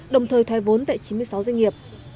đồng thời thoái vốn tại chín mươi sáu doanh nghiệp